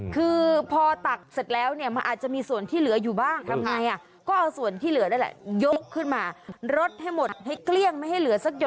คือพอตักเสร็จแล้วเนี่ยมันอาจจะมีส่วนที่เหลืออยู่บ้างทำไงก็เอาส่วนที่เหลือนั่นแหละยกขึ้นมารดให้หมดให้เกลี้ยงไม่ให้เหลือสักห่อ